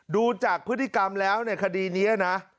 ดูจากพฤติกรรมแล้วในคดีนี้นะ